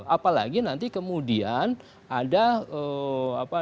apalagi nanti kemudian ada